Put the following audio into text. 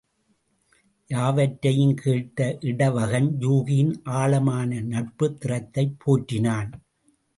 யாவற்றையும் கேட்ட இடவகன், யூகியின் ஆழமான நட்புத் திறத்தைப் போற்றினான்.